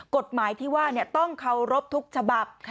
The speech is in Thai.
กฎหมายที่ว่าต้องเคารพทุกฉบับ